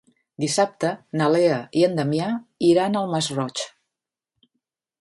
Dissabte na Lea i en Damià iran al Masroig.